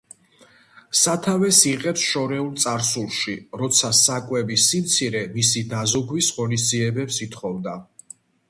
სათავეს იღებს შორეულ წარსულში, როცა საკვების სიმცირე მისი დაზოგვის ღონისძიებებს ითხოვდა.